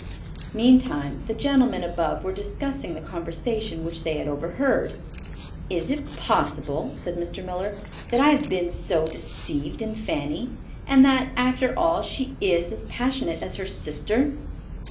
Meantime the gentlemen above were discussing the conversation which they had overheard. "Is it possible," said Mr. Miller, "that I have been so deceived in Fanny, and that, after all, she is as passionate as her sister?"